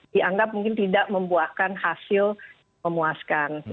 dianggap mungkin tidak membuahkan hasil memuaskan